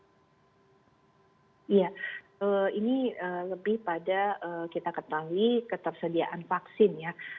iya ini lebih pada kita ketahui ketersediaan vaksin ya